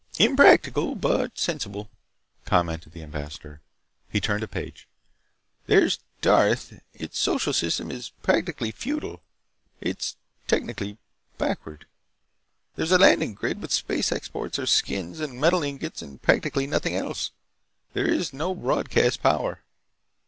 "Impractical, but sensible," commented the ambassador. He turned a page. "There's Darth. Its social system is practically feudal. It's technically backward. There's a landing grid, but space exports are skins and metal ingots and practically nothing else. There is no broadcast power.